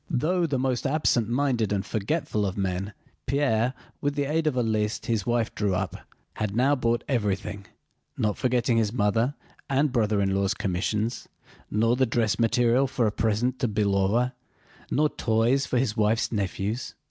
Though the most absent minded and forgetful of men, Pierre, with the aid of a list his wife drew up, had now bought everything, not forgetting his mother—and brother in law's commissions, nor the dress material for a present to Belóva, nor toys for his wife's nephews.